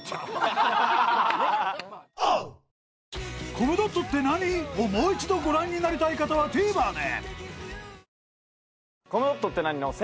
［『コムドットって何？』をもう一度ご覧になりたい方はＴＶｅｒで］